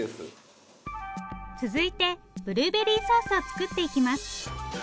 続いてブルーベリーソースを作っていきます。